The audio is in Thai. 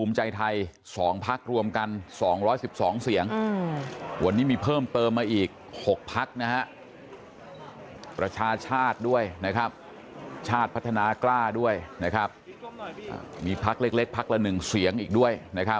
มีภักดิ์เล็กภักดิ์ละ๑เสียงอีกด้วย